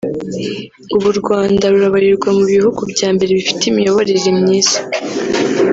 « Ubu u Rwanda rubarirwa mu bihugu byambere bifite imiyoborere myiza